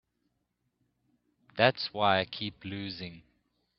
That's why I keep losing.